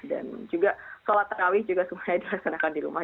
dan juga sholat terawih juga semuanya dilaksanakan di rumah